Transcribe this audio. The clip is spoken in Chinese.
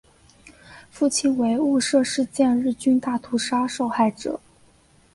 父亲为雾社事件日军大屠杀受害者。